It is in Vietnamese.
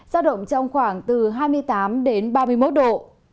giao động trong khoảng từ hai mươi tám đến ba mươi một độ